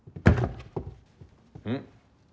うん？